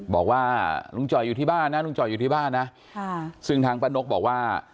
บอกว่าลุงจ่อยอยู่ที่บ้านนะซึ่งทางปะนกบอกว่า